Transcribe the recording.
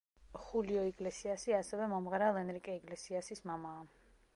ხულიო იგლესიასი ასევე მომღერალ ენრიკე იგლესიასის მამაა.